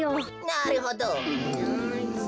なるほど。